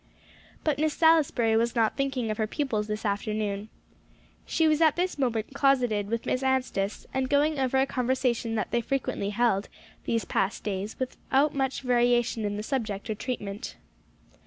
But Miss Salisbury was not thinking of her pupils this afternoon. She was at this moment closeted with Miss Anstice, and going over a conversation that they frequently held, these past days, without much variation in the subject or treatment.